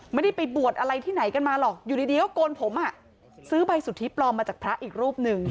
ไม่ได้ไปบวชอะไรที่ไหนกันมาหรอกอยู่ดีก็โกนผมซื้อใบสุทธิปลอมมาจากพระอีกรูปหนึ่ง